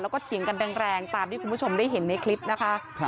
แล้วก็เถียงกันแรงตามที่คุณผู้ชมได้เห็นในคลิปนะคะ